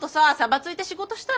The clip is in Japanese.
ついて仕事したら？